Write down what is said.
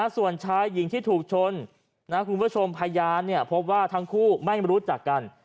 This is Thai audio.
ส่วนชายหญิงที่ถูกชนคุณผู้ชมพยานพบว่าทั้งคู่ไม่รู้จักกัน